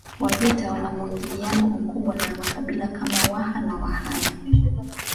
Wajita wana muingiliano mkubwa na makabila kama Waha na Wahaya